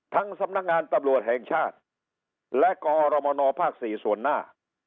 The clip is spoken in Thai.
สำนักงานตำรวจแห่งชาติและกอรมนภ๔ส่วนหน้า